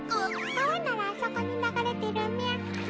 川ならあそこに流れてるみゃ。